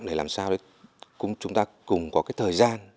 để làm sao để chúng ta cùng có cái thời gian